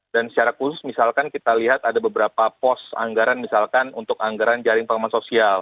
dan secara khusus misalun kita lihat ada beberapa pos anggaran misalkan untuk anggaran dprs